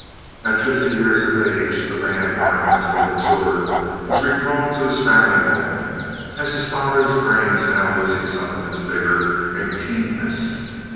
"At fifty years of age the man, now mentally mature, is recalled to his family home, as his father's brain is now losing some of its vigor and keenness.